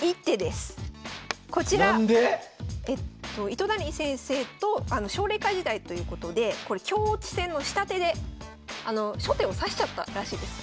糸谷先生とあの奨励会時代ということでこれ香落ち戦の下手で初手を指しちゃったらしいです。